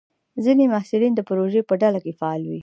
ځینې محصلین د پروژې په ډله کې فعال وي.